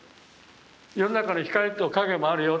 世の中の光と影もあるよ。